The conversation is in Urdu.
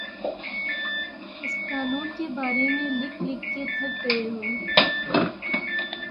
ہسپتالوں کے بارے میں لکھ لکھ کے تھک گئے ہوں۔